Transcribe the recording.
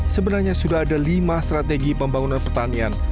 sebenarnya sudah ada lima strategi pembangunan pertanian